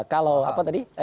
kalau apa tadi